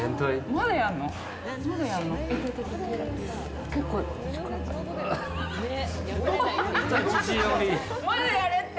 まだやれって！